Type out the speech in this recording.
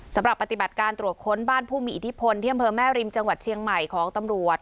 สำหรับปฏิบัติการตรวจค้นบ้านผู้มีอิทธิพนธ์